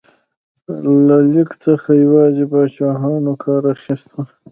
له لیک څخه یوازې پاچاهانو کار اخیسته.